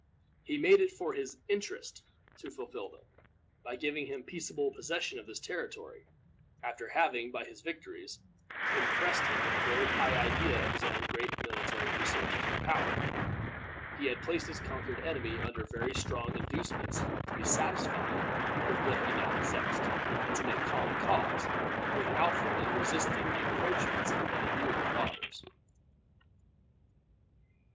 He had made it for his interest to fulfill them. By giving him peaceable possession of this territory, after having, by his victories, impressed him with a very high idea of his own great military resources and power, he had placed his conquered enemy under very strong inducements to be satisfied with what he now possessed, and to make common cause with Alfred in resisting the encroachments of any new marauders.